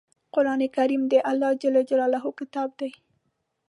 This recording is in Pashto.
قرآن کریم د الله ﷺ کتاب دی.